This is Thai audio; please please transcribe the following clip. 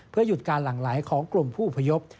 เพื่อหยุดการหลั่งไหลของกลุ่มผู้อพยพ